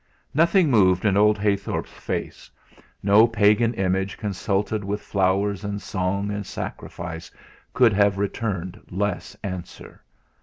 Nothing moved in old Heythorp's face. No pagan image consulted with flowers and song and sacrifice could have returned less answer.